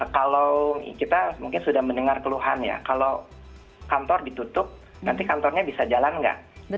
kalau kita mungkin sudah mendengar keluhan ya kalau kantor ditutup nanti kantornya bisa jalan nggak